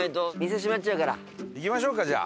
行きましょうかじゃあ。